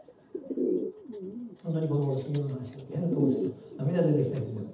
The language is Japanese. ほんとにこのごろ杉山の話は変なところですると涙出てきたりするんだよ。